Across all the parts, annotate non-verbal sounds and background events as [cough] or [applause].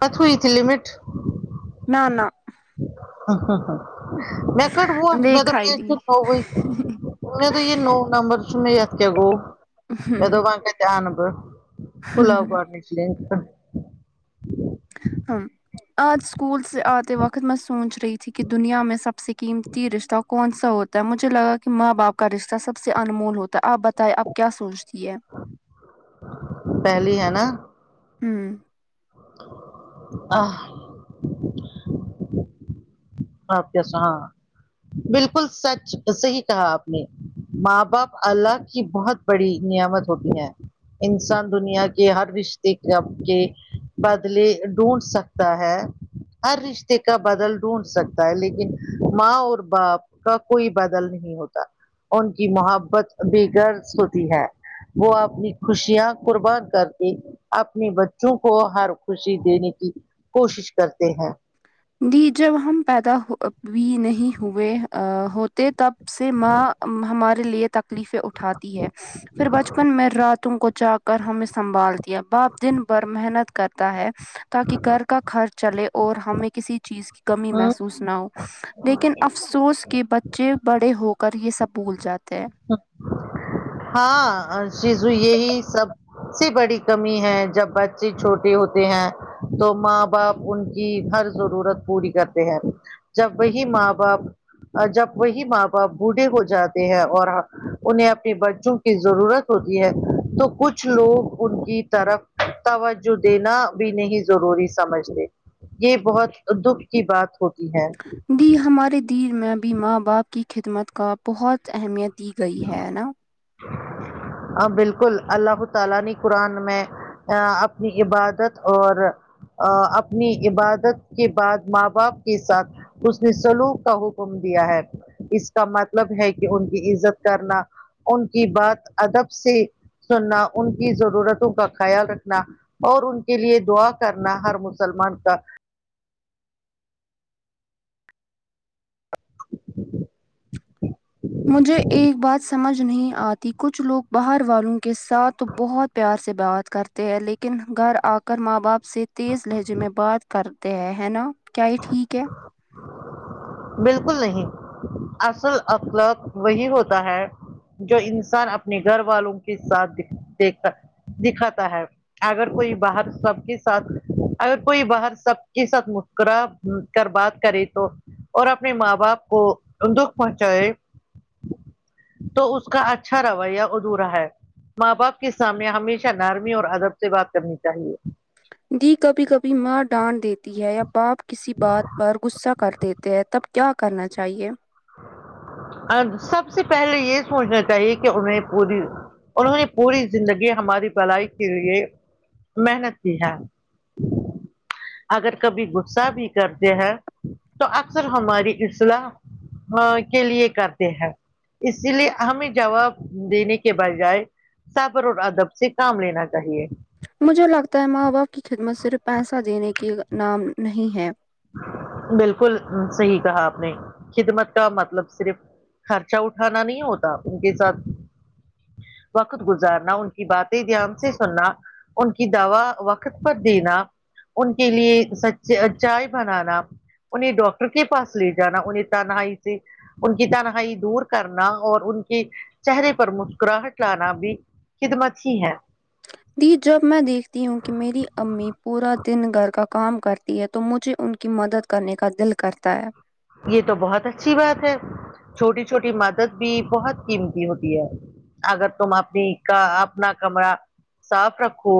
کٹ ہوئی تھی لمٹ نہ نہ ہ ہ ہ میں کٹ [unintelligible] میں دیکھا ہی نہیں [unintelligible] تو یہ کیا نمبر پلاؤ باہر نکلے تا ہاں آج اسکول سے آتے وقت میں سوچ رہی تھی کہ دنیا میں سب سے قیمتی رشتہ کون سا ہو تا ہے مجھے لگا کہ ماں باپ کا رشتہ سب سے انمول ہوتا ہے آپ بتاے آپ کیا سوچتی ہے پہلے ہے نا ہوں آہ آپ جیسا بالکل سچ صحیح کہا آپ نے ماں باپ اللہ کی بہت بڑی نعمت ہوتی ہے انسان دنیا کے ہر رشتے ک ب کے بدلے ڈھونڈ سکتا ہے ہر رشتے کا بدل ڈھونڈ سک تا ہے لیکن ماں اور باپ کا کوئی بدل نہیں ہوتا ان کی محبت بے غرض ہوتی ہے وہ اپنی خوشیاں قربان کرتی اپنے بچوں کو ہر خوشی دینے کی کوشش کرتے ہیں دی جب ہم پیدا ہو بھی نہیں ہوئے ا ہوتے تب سے ماں ام ہمار ے لیے تکلیفیں اٹھاتی ہے پھر بچپن میں راتوں کو جاگ کر ہمیں سنبھال تی باپ دن بھر محنت کرتا ہے تاکہ گھر کا خرچ چلے اور ہمیں کسی چیز کی کمی ہ محسوس نہ ہو لیکن افسوس کہ بچے بڑے ہو کر یہ سب بھول جاتے ہیں ہاں شیزو یہی سب سے بڑی کمی ہے جب بچے چھوٹے ہوتے ہیں تو ماں باپ ان کی ہر ضرورت پوری کرتے ہیں جب وہی ماں باپ جب وہی ماں باپ بوڑھے ہو جاتے ہیں اور ہ انہیں بچوں کی ضرورت ہوتی ہے تو کچھ لوگ ان کی طرف توجہ دینا بھی نہیں ضروری سمجھتے یہ بہت دکھ کی بات ہوتی ہے جی ہمارے دیر میں بھی ماں باپ کی خدمت کا بہت اہمیت دی گئی ہے نا بالکل اللہ تعالی نے قرآن میں اپنی عبادت اور اپنی عبادت کے بعد ماں باپ کے ساتھ حسن سلوک کا حکم دیا ہے اس کا مطلب ہے کہ ان کی عزت کرنا ان کی بات ادب سے سننا ان کی ضرورتوں کا خیال رکھنا اور ان کے لیے دعا کرنا ہر مسلمان کا مجھے ایک بات سمجھ نہیں آتی کچھ لوگ باہر والوں کے ساتھ بہت پیار سے بات کرتے ہیں لیکن گھر آ کر ماں باپ سے تیز لہجے میں بات کرتے ہیں ہے نا کیا یہ ٹھیک ہے بالکل نہیں اصل اخلاق وہی ہوتا ہے جو انسان اپنے گھر والوں کے ساتھ دیکھ دکھاتا ہے اگر کوئی باہر سب کے ساتھ اگر کوئی باہر سب کے ساتھ مسکرا کر بات کرے تو اور اپنے ماں باپ کو دکھ پہنچائے تو اس کا اچھا رویہ ادھورا ہے ماں باپ کے سامنے ہمیشہ نارمی اور ادب سے بات کرنی چاہیے دی کبھی کبھی ماں ڈانٹ دیتی ہے یا پاپ کسی بات پر غصہ کر دیتے ہیں تب کیا کرنا چاہیے سب سے پہلے یہ سوچنا چاہیے کہ انہیں پوری انہوں نے پوری زندگی ہماری بلائی کے لیے محنت کی ہے اگر کبھی غصہ بھی کرتے ہیں تو اکثر ہماری اصلاح ہاں کے لیے کرتے ہیں اسی لیے ہمیں جواب دینے کے بجائے صبر اور ادب سے کام لینا چاہیے مجھے لگتا ہے ماں باپ کی خدمت صرف پیسہ دینے کے نام نہیں ہے بالکل صحیح کہا آپ نے خدمت کا مطلب صرف خرچہ اٹھانا نہیں ہوتا ان کے ساتھ وقت گزارنا ان کی باتیں دھیان سے سننا ان کی دوا وقت پر دینا ان کے لیے سچ چاہے بنانا انہیں ڈاکٹر کے پاس لے جانا انہیں تنہائی سے ان کی تنہائی دور کرنا اور ان کے چہرے پر مسکراہٹ لانا بھی خدمت ہی ہے دی جب میں دیکھتی ہوں کہ میری امی پورا دن گھر کا کام کر تی ہے تو مجھے ان کی مدد کرنے کا دل کرتا ہے یہ تو بہت اچھی بات ہے چھوٹی چھوٹی مدد بھی بہت قیمتی ہوتی ہے اگر تم اپنی کا اپنا کمرہ صاف رکھو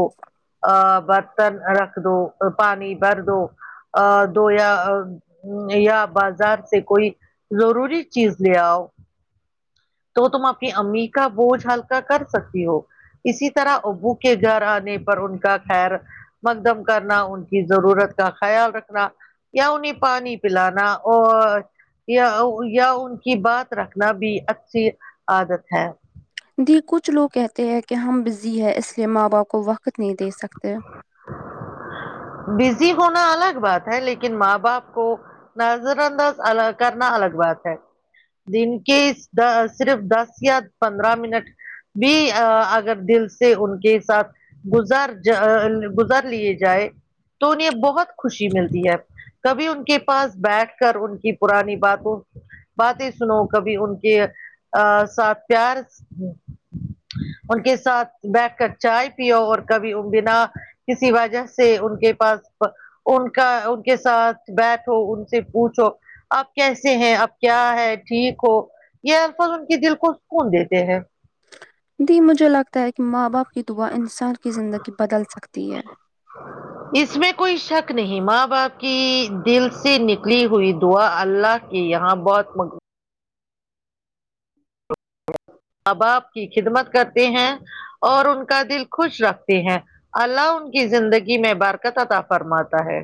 ا برتن رکھ دو پانی بھر دو ا دو یا یا بازار سے کوئی ضروری چیز لے آؤ تو تم اپنی امی کا بوجھ ہلکا کر سکتی ہو اسی طرح ابو کے گھر آنے پر ان کا خیر مقدم کرنا ان کی ضرورت کا خیال رکھنا یا انہیں پانی پلانا اور یا یا ان کی بات رکھنا بھی اچھی عادت ہے دی کچھ لوگ کہتے ہیں کہ ہم بزی ہے اس لیے ماں باپ کو وقت نہیں دے سکتے بزی ہونا الگ بات ہے لیکن ماں باپ کو نظر انداز ال کرنا الگ بات ہے دن کے د صرف دس یا پندرہ منٹ بھی ا اگر دل سے ان کے ساتھ گزار ج گزار لیے جائے تو انہیں بہت خوشی ملتی ہے کبھی ان کے پاس بیٹھ کر ان کی پرانی باتوں باتیں سنو کبھی ان کے ا ساتھ پیار ان کے ساتھ بیٹھ کر چائے پیو اور کبھی ان بنا کسی وجہ سے ان کے پاس ان کا ان کے ساتھ بیٹھو ان سے پوچھو آپ کیسے ہیں اب کیا ہے ٹھیک ہو یہ الفاظ ان کے دل کو سکون دیتے ہیں دی مجھے لگتا ہے کہ ماں باپ کی دعا انسان کی زندگی بدل سکتی ہے اس میں کوئی شک نہیں ماں باپ کی دل سے نکلی ہوئی دعا اللہ کہ یہاں بہت ماں باپ کی خدمت کرتے ہیں اور ان کا دل خوش رکھتے ہیں اللہ ان کی زندگی میں برکت عطا فرماتا ہے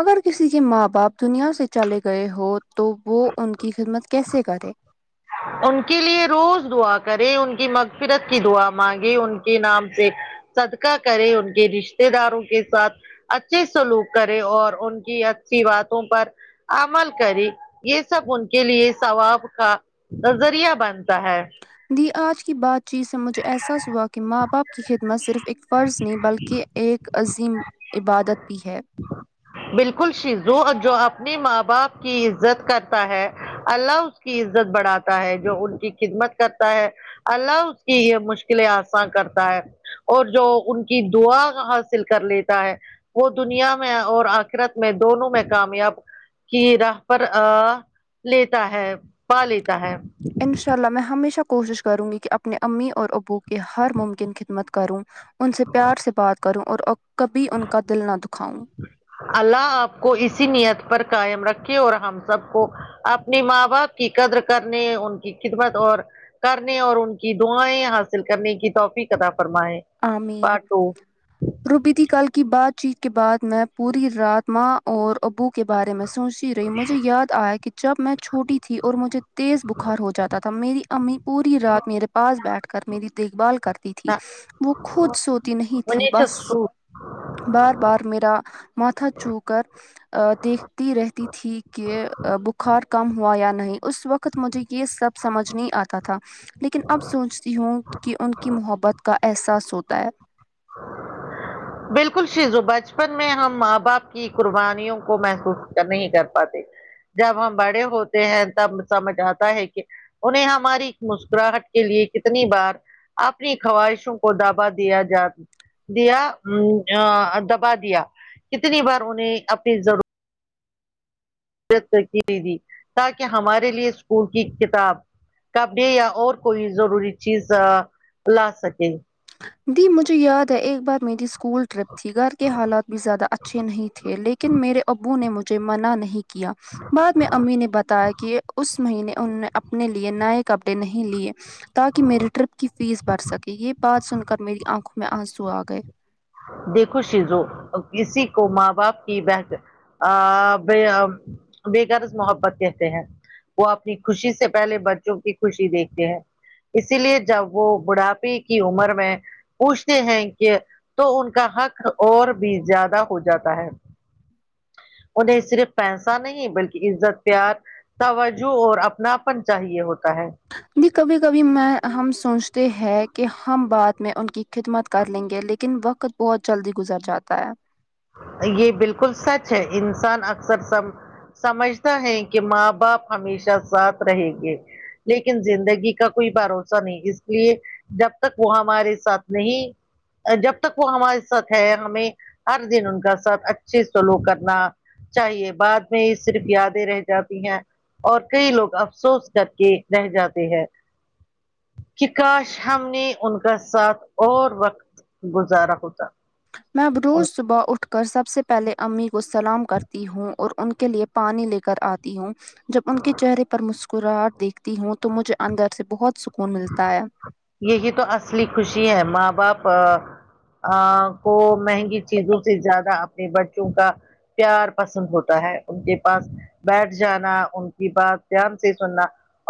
اگر کسی کے ماں باپ دنیا سے چلے گئے ہو تو وہ ان کی خدمت کیسے کرے ان کے لیے روز دعا کرے ان کی مغفرت کی دعا مانگے ان کے نام سے صدقہ کرے ان کے رشتے داروں کے ساتھ اچھے سلوک کرے اور ان کی اچھی باتوں پر عمل کرے یہ سب ان کے لیے ثواب کا ظریعہ بنتا ہے دی آج کی بات چیت سے مجھے احساس ہوا کہ ماں باپ کی خدمت صرف ایک فرض نہیں بلکہ ایک عظیم عبادت بھی ہے بالکل شیزو اور جو اپنے ماں باپ کی عزت کرتا ہے اللہ اس کی عزت بڑھاتا ہے جو ان کی خدمت کرتا ہے اللہ اس کی یہ مشکلیں آساں کرتا ہے اور جو ان کی دعا حاصل کر لیتا ہے وہ دنیا میں اور آ خرت میں دونوں میں کامیاب کی راہ پر ا لیتا ہے پا لیتا ہے انشاء اللہ میں ہمیشہ کوشش کروں گی کہ اپنے امی اور ابو کی ہر ممکن خدمت کروں ان سے پیار سے بات کروں اور کبھی ان کا دل نہ دکھاؤں اللہ آپ کو اسی نیت پر قائم رکھے اور ہم سب کو اپنے ماں باپ کی قدر کرنے ان کی خدمت اور کرنے اور ان کی دعائیں حاصل کرنے کی توفیق عطا فرمائے آمین پارٹ روبی دی کل کی بات چیت کے بعد میں پوری رات ماں اور ابو کے بارے میں سوچ ہی رہی مجھے یاد آیا کہ جب میں چھوٹی تھی اور مجھے تیز بخار ہو جاتا تھا میری امی پوری رات میرے پاس بیٹھ کر میری دیکھ بھال کرتی تھی وہ خود سوتی نہیں تھی بس ٹو بار بار میرا ماتھا چو کر دیکھتی رہتی تھی کہ بخار کم ہوا یا نہیں اس وقت مجھے یہ سب سمجھ نہیں آتا تھا لیکن اب سوچتی ہوں کہ ان کی محبت کا احساس ہوتا ہے بالکل شیزو بچپن میں ہم ماں باپ کی قربانیوں کو محسوس نہیں کر پاتے جب ہم بڑے ہوتے ہیں تب سمجھ آتا ہے کہ انہیں ہماری مسکراہٹ کے لیے کتنی بار اپنی خواہشوں کو ڈبا دیا جا دیا دبا دیا کتنی بار انہیں اپنی ضرور [unintelligible] دی تاکہ ہمارے لیے اسکول کی کتاب کپڈے یا اور کوئی ضروری چیز لا سکے دی مجھے یاد ہے ایک بار میری اسکول ٹرپ تھی گھر کے حالات بھی زیادہ اچھے نہیں تھے لیکن میرے ابو نے مجھے منع نہیں کیا بعد میں امی نے بتایا کہ اس مہینے انہوں نے اپنے لیے نئے کپڑے نہیں لیے تاکہ میری ٹیرپ کی فیس بڑھ سکے یہ بات سن کر میری آنکھوں میں آنسو آ گئے دیکھو شیزو کسی کو ماں باپ کی بہت آ ب بےغرض محبت کہتے ہیں وہ اپنی خوشی سے پہلے بچوں کی خوشی دیکھتے ہیں اسی لیے جب وہ بڑھاپے کی عمر میں پوچھتے ہیں کہ تو ان کا حق اور بھی زیادہ ہو جاتا ہے انہیں صرف پیسہ نہیں بلکہ عزت پیار توجہ اور اپناپن چاہیے ہوتا ہے ج کبھی کبھی میں ہم سوچتے ہیں کہ ہم بات میں ان کی خدمت کر لیں گے لیکن وقت بہت جلدی گزر جاتا ہے یہ بالکل سچ ہے انسان اکثر سب سمجھتا ہے کہ ماں باپ ہمیشہ ساتھ رہیں گے لیکن زندگی کا کوئی بھروسہ نہیں اس لیے جب تک وہ ہمارے ساتھ نہیں جب تک وہ ہمارے ساتھ ہے ہمیں ہر دن ان کا ساتھ اچھے سلوک کرنا چاہیے بعد میں یہ صرف یادیں رہ جاتی ہیں اور کئی لوگ افسوس کر کے رہ جاتے ہیں کہ کاش ہم نے ان کا ساتھ اور وقت گزارا ہوتا میں اب روز صبح اٹھ کر سب سے پہلے امی کو سلام کرتی ہوں اور ان کے لیے پانی لے کر آتی ہوں جب ان کے چہرے پر مسکراہٹ دیکھ تی ہوں تو مجھے اندر سے بہت سکون ملتا ہے یہی تو اصلی خوشی ہے ماں باپ ا کو مہنگی چیزوں سے زیادہ اپنے بچوں کا پیار پسند ہوتا ہے ان کے پاس بیٹھ جانا ان کی بات دھیان سے سننا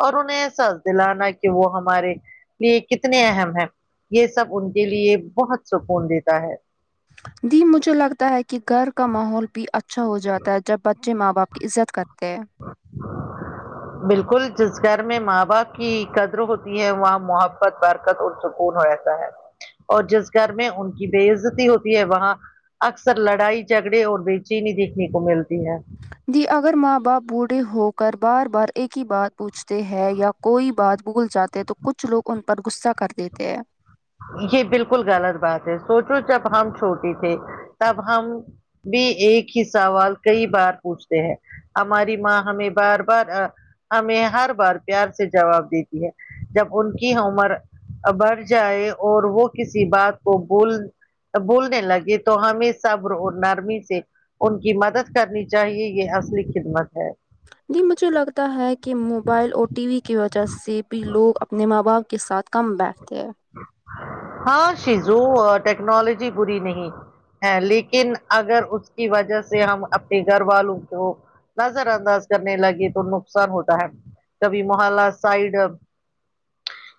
اور انہیں احساس دلانا کہ وہ ہم ہمارے لیے کتنے اہم ہیں یہ سب ان کے لیے بہت سکون دیتا ہے جی مجھے لگتا ہے کہ گھر کا ماحول بھی اچھا ہو جاتا ہے جب ب بچے ماں باپ کی عزت کرتے ہیں بالکل جس گھر میں ماں باپ کی قدر ہوتی ہے وہاں مح برکت اور سکون رہتا ہے اور جس گھر میں ان کی بے عزتی ہوتی ہے وہاں اکثر لڑائی جھگڑے اور بے چینی دیکھنے کو ملتی ہے دی اگر ماں باپ بوڑھے ہو کر بار بار ایک ہی بات پوچھ تے ہیں یا کوئی بات بھول جاتے ہیں تو کچھ لوگ ان پر غصہ کر دیتے ہیں یہ بالکل غلط بات ہے سوچو جب ہم چھوٹے تھے تب ہم بھی ایک ہی سوال کئی بار پوچھتے ہیں ہماری ماں ہمیں بار بار آ ہمیں ہر بار پیار سے جواب دیتی ہے جب ان کی عمر بڑھ جائے اور وہ کسی بات کو بول بھولنے لگے تو ہمیں صبر و نرمی سے ان کی مدد کرنی چاہیے یہ اصلی خدمت ہے جی مجھے لگتا ہے کہ موبائل اور ٹی وی کی وجہ سے بھی لوگ اپنے ماں باپ کے ساتھ کم بیٹھتے ہے ہاں شیزو ٹیکنالوجی بری نہیں ہے لیکن اگر اس کی وجہ سے ہم اپنے گھر والوں کو نظر انداز کرنے لگے تو نقصان ہوتا ہے کبھی محلہ سائڈ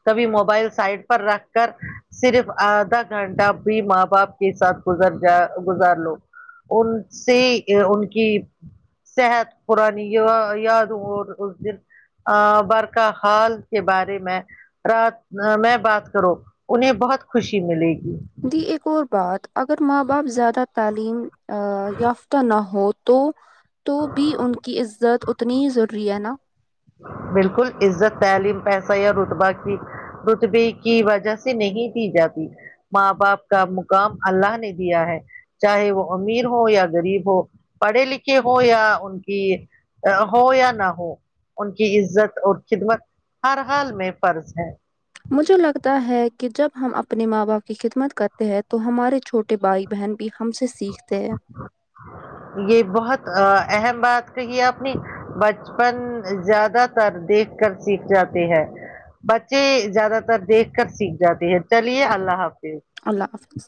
کبھی موبائل سائڈ پر رکھ کر صرف آدھا گھنٹہ بھی ماں باپ کے ساتھ گزر جا گزار لو ان سے ان کی صحت پرانی یا یاد وہ اس دن برقا حال کے بارے میں رات میں بات کرو انہیں بہت خوشی ملے گی دی اک اور بات اگر ماں باپ زیادہ تعلیم آ یافتہ نہ ہو تو تو بھی ان کی عزت اتنی ہی ضروری ہے نا بالکل عزت تعلیم پیسہ یا رتبہ کی رتبے کی وجہ سے نہیں دی جاتی ماں باپ کا مقام اللہ نے دیا ہے چاہے وہ امیر ہو یا غریب ہو پڑھے لکھے ہو یا ان کی ہو یا نہ ہو ان کی عزت اور خدمت ہر حال میں فرض ہے مجھے لگتا ہے کہ جب ہم اپنے ماں باپ کی خدمت کرتے ہیں تو ہمارے چھوٹے بھائی بہن بھی ہم سے سیکھتے ہیں یہ بہت ا اہم بات کہی ہے آپ نے بچپن زیادہ تر دیکھ کر سیکھ جاتے ہیں بچے زیادہ تر دیکھ کر سیکھ جاتے ہیں چلیے اللہ حافظ اللہ حافظ